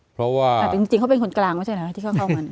เพราะว่าอาจเป็นคนกลางไม่ใช่เหรอที่เขาเข้ามา